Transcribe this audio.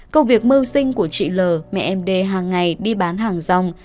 công việc mưu sinh của chị lờ mẹ em đê hàng ngày đi bán hàng dòng